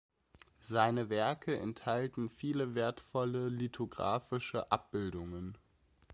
Seine Werke enthalten viele wertvolle lithographische Abbildungen.